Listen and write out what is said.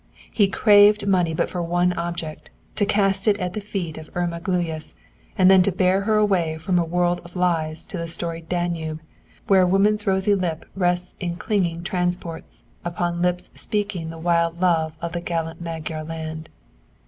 He craved money for but one object to cast it at the feet of Irma Gluyas and then to bear her away from a world of lies to the storied Danube, where woman's rosy lip rests in clinging transports upon lips speaking the wild love of the gallant Magyar land.